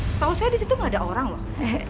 setahu saya disitu gak ada orang loh